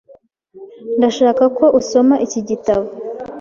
Ndashaka ko usoma iki gitabo.